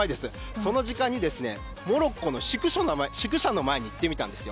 その時間にモロッコの宿舎の前に行ってみたんですよ。